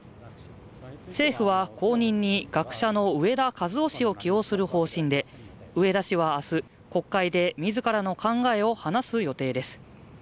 政府は後任に学者の植田和男氏を起用する方針で、植田氏はあす国会で自らの考えを話す予定です。